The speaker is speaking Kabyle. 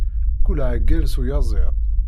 Kul aɛeggal s uyaziḍ.